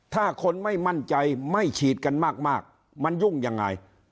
ถ้าคนไม่มั่นใจไม่ฉีดกันมากมันยุ่งยังไง